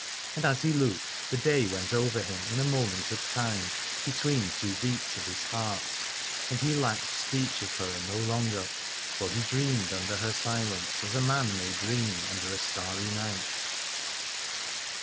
And as he looked the day went over him in a moment of time, between two beats of his heart : and he lacked speech of her no longer, for he dreamed under her silence as a man may dream under a starry night.